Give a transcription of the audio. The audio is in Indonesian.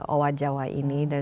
oha jawa yang di kalimantan